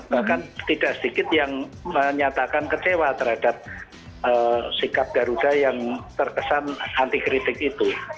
bahkan tidak sedikit yang menyatakan kecewa terhadap sikap garuda yang terkesan anti kritik itu